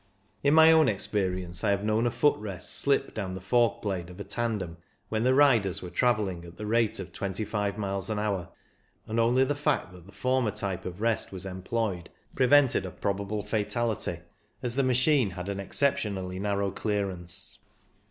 In my own experience I have known a foot rest slip down the fork blade of a tandem when the riders were travel ling at the rate of twenty five miles an hour, and only the fact that the former type of rest was employed prevented a probable fatality, as the machine had an exceptionally narrow clearance.